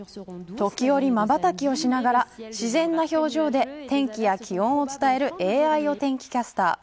時折、まばたきをしながら自然な表情で天気や気温を伝えるＡＩお天気キャスター。